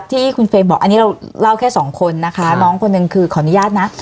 ที่คุณเฟรมบอกอันนี้เราเล่าแค่สองคนนะคะน้องคนหนึ่งคือขออนุญาตนะ